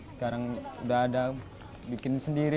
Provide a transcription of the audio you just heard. sekarang udah ada bikin sendiri